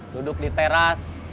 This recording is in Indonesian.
duduk di teras